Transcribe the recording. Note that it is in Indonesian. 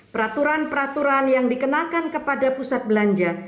peraturan peraturan yang dikenakan kepada pusat belanja